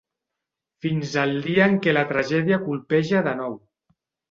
Fins al dia en què la tragèdia colpeja de nou.